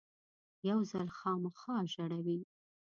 یو ځل خامخا ژړوي .